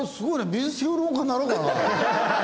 美術評論家になろうかな。